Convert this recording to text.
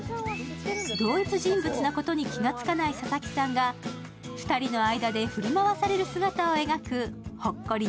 同一人物なことに気付かない佐々木さんが２人の間で振り回される姿を描くほっこり